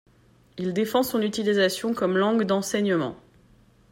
Il défend son utilisation comme langue d'enseignement.